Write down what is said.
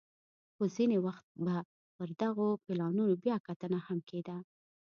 خو ځیني وخت به پر دغو پلانونو بیا کتنه هم کېده